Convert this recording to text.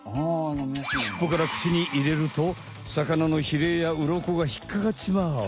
しっぽから口に入れると魚のヒレやウロコがひっかかっちまう。